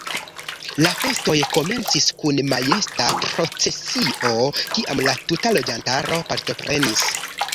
La festoj komencis kun majesta procesio kiam la tuta loĝantaro partoprenis.